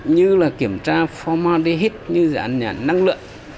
như là kiểm tra formaldehyde như là giảm năng lượng